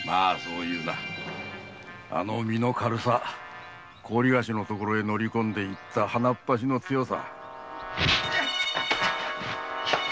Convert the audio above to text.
あの身の軽さ高利貸しのところへ乗り込んでいった鼻っ柱の強さ。